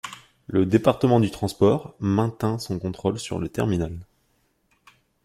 Le département du transport maintint son contrôle sur le terminal.